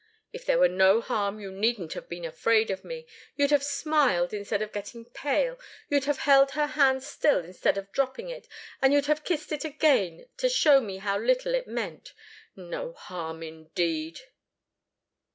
If there were no harm, you needn't have been afraid of me. You'd have smiled instead of getting pale; you'd have held her hand still, instead of dropping it, and you'd have kissed it again, to show me how little it meant. No harm, indeed!"